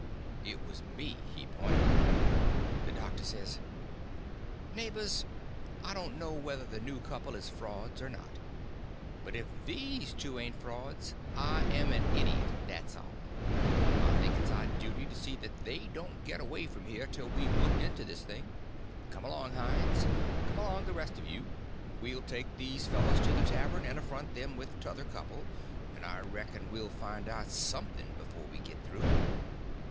It was me he pointed at. The doctor says: "Neighbors, I don't know whether the new couple is frauds or not; but if these two ain't frauds, I am an idiot, that's all. I think it's our duty to see that they don't get away from here till we've looked into this thing. Come along, Hines; come along, the rest of you. We'll take these fellows to the tavern and affront them with t'other couple, and I reckon we'll find out something before we get through."